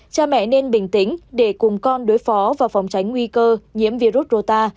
cha mẹ nên bình tĩnh để cùng con đối phó và phòng tránh nguy cơ nhiễm virus rota